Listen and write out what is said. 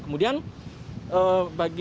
kemudian bagi pengelola destinasi